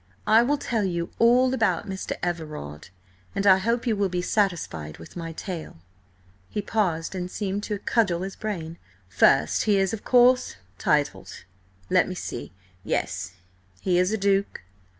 "I will tell you all about Mr. Everard, and I hope you will be satisfied with my tale." He paused and seemed to cudgel his brain. "First he is, of course, titled–let me see–yes, he is a Duke.